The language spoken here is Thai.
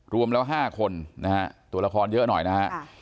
รวมแล้ว๕คนตัวละครเยอะหน่อยนะ